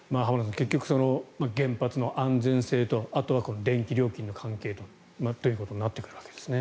結局、原発の安全性とあとは電気料金の関係ということになってくるわけですね。